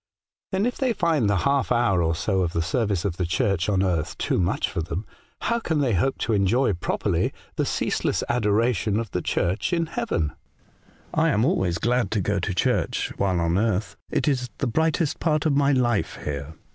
''' Then, if they find the half hour or so of the service of the Church on earth too much for them, how can they hope to enjoy properly the ceaseless adoration of the Church in heaven? I always am glad to go to church while on earth ; it is the brightest part of my life here.